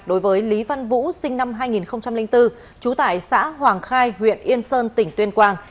đối với lý văn vũ sinh năm hai nghìn bốn trú tại xã hoàng khai huyện yên sơn tỉnh tuyên quang